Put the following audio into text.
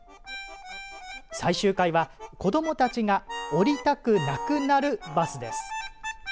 最終回は子どもたちが降りたくなくなるバスです。